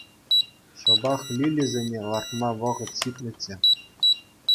Шӑпах лилисене лартма вӑхӑт ҫитнӗччӗ.